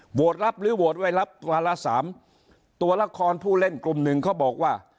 โหวตรับหรือโหวตไม่รับวาระ๓ตัวละครผู้เล่นกลุ่ม๑เขาบอกว่า